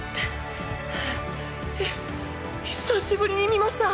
はぁはぁ久しぶりに見ました。